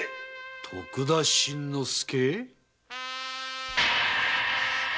徳田新之助？